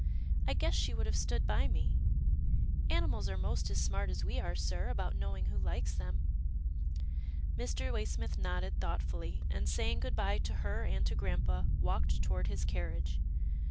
I guess she would have stood by me — Animals are most as smart as we are, sir, about knowing who likes them." Mr. Waysmith nodded, thoughtfully, and, saying good bye to her and to grampa, walked toward his carriage.